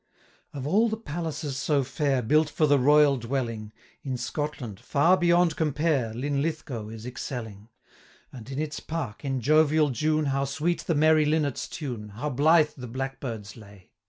'Of all the palaces so fair, Built for the royal dwelling, 285 In Scotland, far beyond compare Linlithgow is excelling; And in its park, in jovial June, How sweet the merry linnet's tune, How blithe the blackbird's lay!